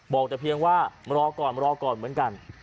บอกแต่เพียงว่ารอก่อนรอก่อนเหมือนกัน